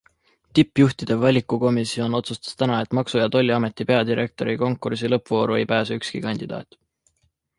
Tippjuhtide valikukomisjon otsustas täna, et maksu- ja tolliameti peadirektori konkursi lõppvooru ei pääse ükski kandidaat.